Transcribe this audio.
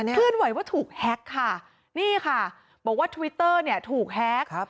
เคลื่อนไหวว่าถูกแฮ็กค่ะนี่ค่ะบอกว่าทวิตเตอร์เนี่ยถูกแฮ็ก